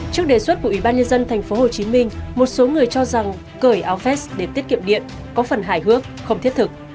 trước đề xuất của ủy ban nhân dân tp hcm một số người cho rằng cởi áo fest để tiết kiệm điện có phần hài hước không thiết thực